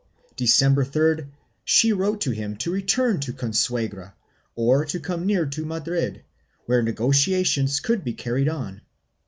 December 3d she wrote to him to return to Consuegra or to come near to Madrid, where negotiations could be carried on.